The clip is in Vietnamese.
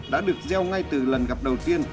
đã được gieo ngay từ lần gặp đầu tiên